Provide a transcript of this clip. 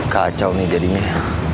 kacau nih jadinya